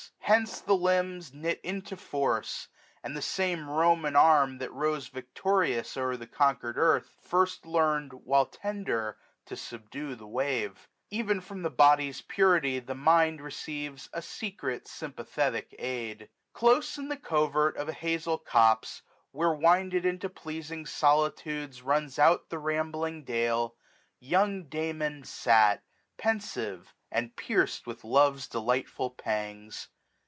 Hence the limbs Knit into force ; and the same Roman arm. That rose victorious o'er the conquered earth. First leafn'd, while tender, to subdue the wave. 1265 Even, from the body's purity, the mind Receives a secret sympathetic aid. Close in the covert of an hazel copse. Where winded into pleasing solitudes Runs out the rambling dale, young Damon fat, 1270 Penfive, and piercM with love's delightful pangs.